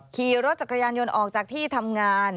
ขี่รถจักรยานยนต์ออกจากที่ทำงาน